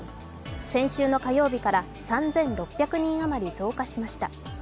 先週の火曜日から３６００人余り増加しました。